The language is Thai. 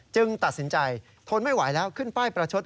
ตัดสินใจทนไม่ไหวแล้วขึ้นป้ายประชด